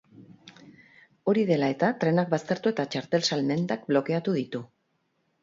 Hori dela eta, trenak baztertu eta txartel salmentak blokeatu ditu.